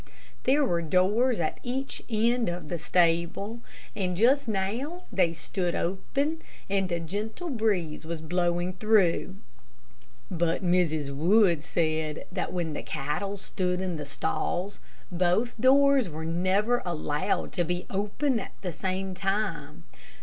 There were doors at each end of the stable, and just now they stood open, and a gentle breeze was blowing through, but Mrs. Wood said that when the cattle stood in the stalls, both doors were never allowed to be open at the same time.